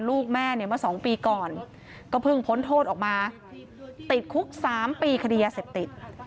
ลูกแม่เนี่ยเมื่อ๒ปีก่อนก็เพิ่งพ้นโทษออกมาติดคุก๓ปีคดียาเสพติด